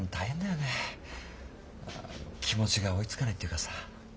気持ちが追いつかないっていうかさ。